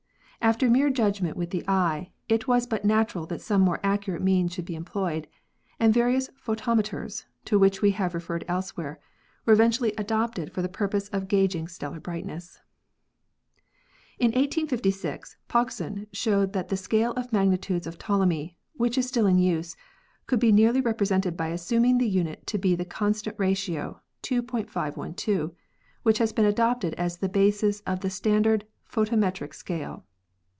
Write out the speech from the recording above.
After mere judgment with the eye, it was but natural that some more accurate means should be employed, and vari ous photometers, to which we have referred elsewhere, were eventually adopted for the purpose of gaging stellar brightness. In 1856 Pogson showed that the scale of magnitudes of Ptolemy, which is still in use, could be nearly represented by assuming the unit to be the constant ratio 2.512, which has been adopted as the basis of the standard photometric scale.